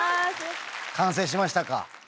完成しましたか？